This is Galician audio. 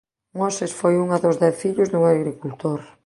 Moses foi unha dos dez fillos dun agricultor.